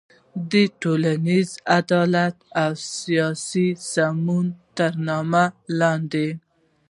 د ټولنیز عدالت او سیاسي سمون تر نامه لاندې